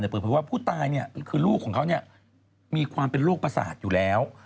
เปิดเผยว่าผู้ตายคือลูกของเขามีความเป็นโรคประสาทอยู่แล้ว